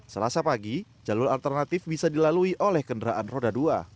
selasa pagi jalur alternatif bisa dilalui oleh kendaraan roda dua